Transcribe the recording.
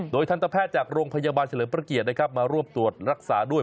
โดยทันตแพทย์จากโรงพยาบาลเฉลิมพระเกียรตินะครับมารวบตรวจรักษาด้วย